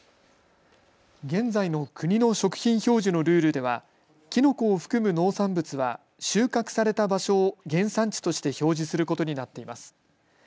現在の国の食品表示のルールではキノコを含む農産物は収穫された場所を原産地として表示することになっています。